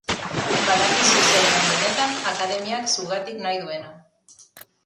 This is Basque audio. Badakizu zer den benetan akademiak zugatik nahi duena.